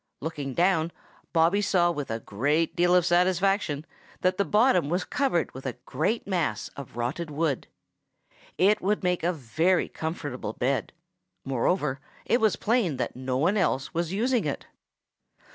Looking down, Bobby saw with a great deal of satisfaction that the bottom was covered with a great mass of rotted wood. It would make a very comfortable bed. Moreover, it was plain that no one else was using it.